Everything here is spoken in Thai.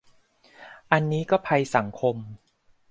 อันนี้ก็ภัยสังคม